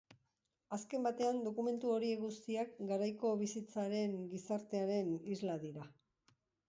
Azken batean, dokumentu horiek guztiak garaiko bizitzaren, gizartearen, isla dira.